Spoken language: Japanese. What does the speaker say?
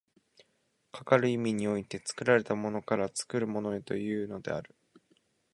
かかる意味において、作られたものから作るものへというのである。